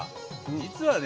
実はね